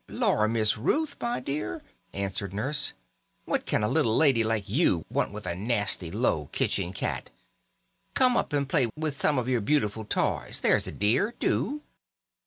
"Lor', Miss Ruth, my dear," answered Nurse, "what can a little lady like you want with a nasty, low, kitchen cat! Come up and play with some of your beautiful toys, there's a dear! Do."